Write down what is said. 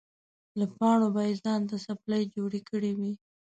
له پاڼو به یې ځان ته څپلۍ جوړې کړې وې.